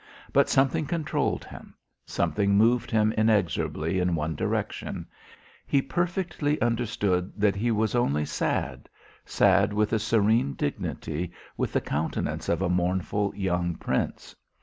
But something controlled him; something moved him inexorably in one direction; he perfectly understood but he was only sad, sad with a serene dignity, with the countenance of a mournful young prince.